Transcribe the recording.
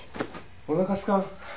おなかすかん？